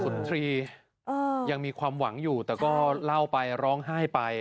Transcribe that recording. นทรีย์ยังมีความหวังอยู่แต่ก็เล่าไปร้องไห้ไป